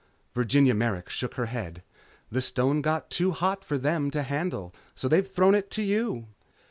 Virginia Merrick shook her head. "The stone got too hot for them to handle, so they've thrown it to you."